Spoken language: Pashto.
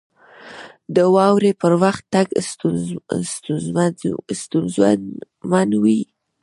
• د واورې پر وخت تګ ستونزمن وي.